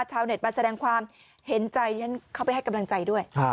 ชาวเน็ตมาแสดงความเห็นใจฉันเข้าไปให้กำลังใจด้วย